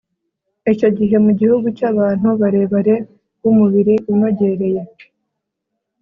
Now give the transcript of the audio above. Icyo gihe, mu gihugu cy’abantu barebare b’umubiri unogereye,